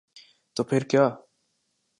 تو پھر کیا؟